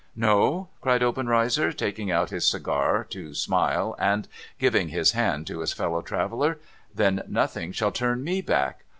' No ?' cried Obenreizer, taking out his cigar to smile, and giving his hand to his fellow traveller. ' Then nothing shall turn me back.